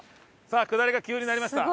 さあ下りが急になりました。